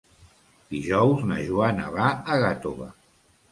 Dijous na Joana va a Gàtova.